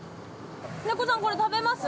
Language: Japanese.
平子さん、これ食べます？